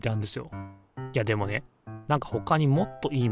いやでもねなんかほかにもっといいものありそうですよね？